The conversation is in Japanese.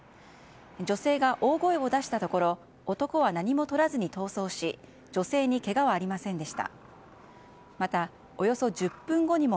女性が大声を出したところ男は何もとらずに逃走し女性にけがはありませんでした。